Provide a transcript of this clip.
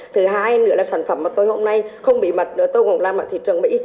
thứ hai nữa là sản phẩm mà tôi hôm nay không bí mật tôi cũng làm ở thị trường mỹ